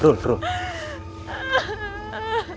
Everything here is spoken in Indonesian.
aku sudah berhenti menunggu